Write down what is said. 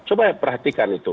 coba perhatikan itu